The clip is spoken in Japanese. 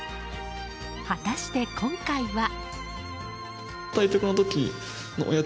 果たして、今回は。